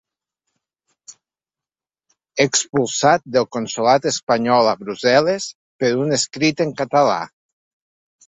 Expulsat del consolat espanyol a Brussel·les per un escrit en català.